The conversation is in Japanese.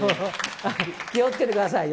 気をつけてくださいよ。